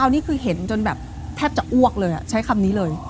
อันนี้คือเห็นจนแบบแทบจะอ้วกเลยใช้คำนี้เลย